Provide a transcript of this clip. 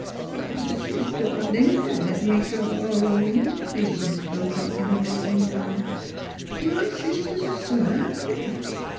" O, Mrs. Dawlings, do let me go 'ome," pleaded Miss Pocock, In her drawling tone; " my sisters are so 'appy.